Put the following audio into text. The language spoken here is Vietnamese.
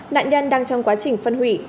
nạn nhân đang trong quá trình phân hủy